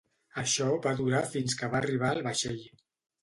Això va durar fins que va arribar el vaixell.